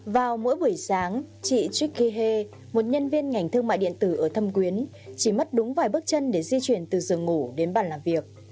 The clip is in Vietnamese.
vào mỗi buổi sáng chị trikhi he một nhân viên ngành thương mại điện tử ở thâm quyến chỉ mất đúng vài bước chân để di chuyển từ giường ngủ đến bàn làm việc